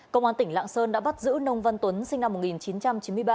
công an tỉnh lạng sơn đã bắt giữ nông văn tuấn sinh năm một nghìn chín trăm chín mươi bảy